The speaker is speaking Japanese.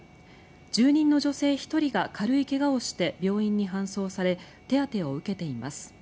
住人の女性１人が軽い怪我をして病院に搬送され手当てを受けています。